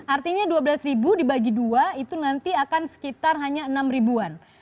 artinya dua belas ribu dibagi dua itu nanti akan sekitar hanya enam ribuan